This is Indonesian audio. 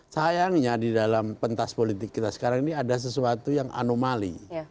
sayangnya di dalam pentas politik kita sekarang ini ada sesuatu yang anomali